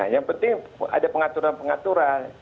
yang penting ada pengaturan pengaturan